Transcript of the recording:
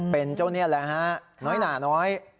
เป็นเจ้านี่แหละฮะน้อยหนาน้อย